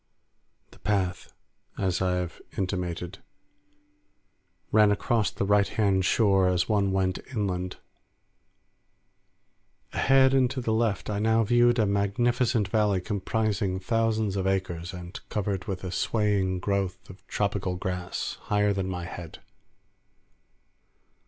The path, as I have intimated, ran along the right hand shore as one went inland. Ahead and to the left I now viewed a magnificent valley comprising thousands of acres, and covered with a swaying growth of tropical grass higher than my head.